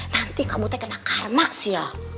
nanti kamu kena karma sri